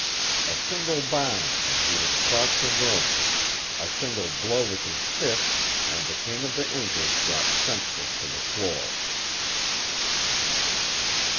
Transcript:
A single bound and he was across the room; a single blow with his fist and the king of the Incas dropped senseless to the floor.